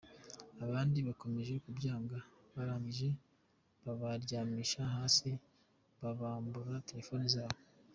Abandi bakomeje kubyanga barangije babaryamisha hasi babambura terefone zabo.